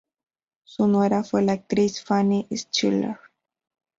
Su nuera fue la actriz Fanny Schiller.